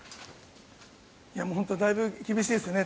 本当にだいぶ厳しいですね。